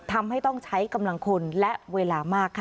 ทำให้ต้องใช้กำลังคนและเวลามากค่ะ